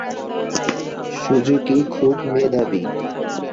Suzuki খুব মেধাবী।